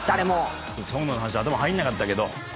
サウナの話頭入んなかったけど。